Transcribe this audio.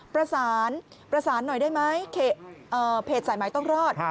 ประสานประสานหน่อยได้ไหมเพจสายใหม่ต้องรอด